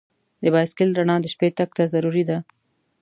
د بایسکل رڼا د شپې تګ ته ضروري ده.